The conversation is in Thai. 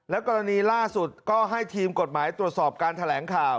กรณีล่าสุดก็ให้ทีมกฎหมายตรวจสอบการแถลงข่าว